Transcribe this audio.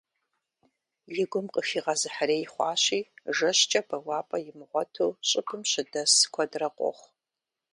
И гум къыхигъэзыхьрей хъуащи, жэщкӀэ бэуапӀэ имыгъуэту щӀыбым щыдэс куэдрэ къохъу.